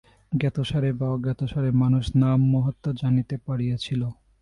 জ্ঞাতসারে বা অজ্ঞাতসারে মানুষ নাম-মাহাত্ম্য জানিতে পারিয়াছিল।